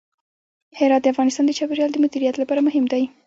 هرات د افغانستان د چاپیریال د مدیریت لپاره مهم دي.